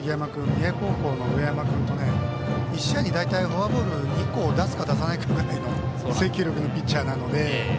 三重高校の上山君と１試合でフォアボールを２個出すか出さないかくらいの制球力のあるピッチャーなので。